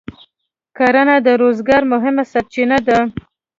کرنه د روزګار مهمه سرچینه ده.